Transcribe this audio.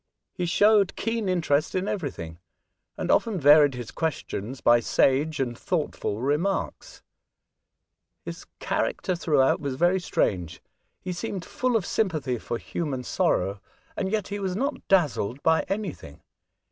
He showed keen interest in every thing, and often varied his questions by sage and thoughtful reiiiarks. His character through out was very strange ; he seemed full of sympathy for human sorrow, and yet he was not dazzled by anything.